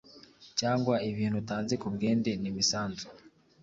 cyangwa ibintu utanze ku bwende, n’imisanzu;